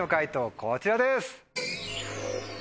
こちらです。